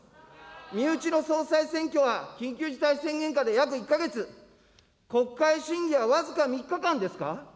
身内の総裁選挙は、緊急事態宣言下で約１か月、国会審議はわずか３日間ですか。